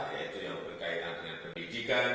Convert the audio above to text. yaitu yang berkaitan dengan pendidikan